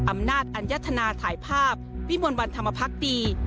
อำนาจอัญญธนาถ่ายภาพวิมวลวันธรรมพักดี